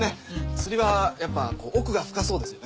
釣りはやっぱ奥が深そうですよね。